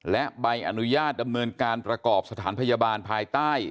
และใบอนุญาตดำเนินการประกอบสถานพยาบาลภายใต้